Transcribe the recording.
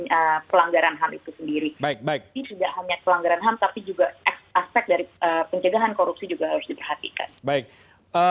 ini tidak hanya pelanggaran ham tapi juga aspek dari pencegahan korupsi juga harus diperhatikan baik